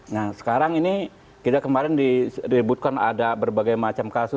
nah sekarang ini kita kemarin diributkan ada berbagai macam kasus